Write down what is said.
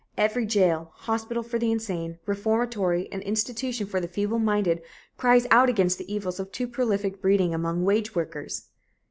Every jail, hospital for the insane, reformatory and institution for the feebleminded cries out against the evils of too prolific breeding among wage workers.